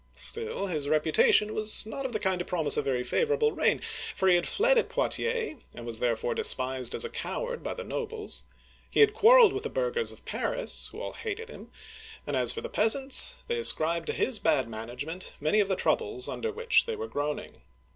Still, his reputation was not of the kind to promise a very favor able reign, for he had fled at Poitiers, and was therefore despised as a coward by the nobles; he had quarreled with the burghers of Paris, who all hated him ; and as for the peasants, they ascribed to his bad management many of the troubles under which they were groaning.